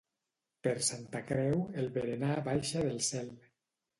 Per Santa Creu, el berenar baixa del cel.